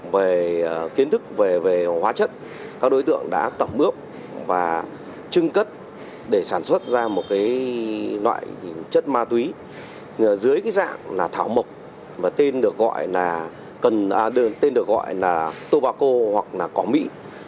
về kiến thức về hóa chất các đối tượng đã tẩm ướp và trưng cất để sản xuất ra một loại chất ma túy dưới dạng thảo mộc tên được gọi là tobacco hoặc là cỏ mị